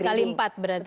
dikali empat berarti